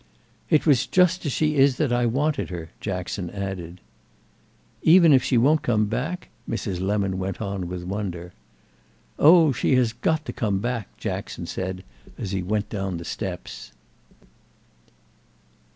"It was just as she is that I wanted her," Jackson added. "Even if she won't come back?" Mrs. Lemon went on with wonder. "Oh she has got to come back!" Jackson said as he went down the steps.